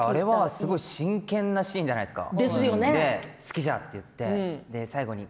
本当に真剣なシーンじゃないですか。